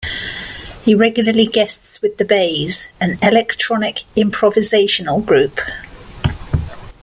He regularly guests with The Bays, an electronic improvisational group.